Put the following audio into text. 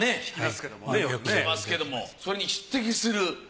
聞きますけれどもそれに匹敵する。